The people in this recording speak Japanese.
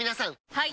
はい！